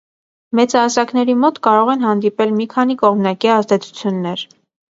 Մեծահասակների մոտ կարող են հանդիպել մի քանի կողմնակի ազդեցություններ։